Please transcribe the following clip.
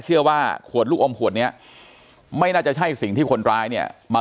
เชื่อว่าขวดลูกอมขวดนี้ไม่น่าจะใช่สิ่งที่คนร้ายเนี่ยมา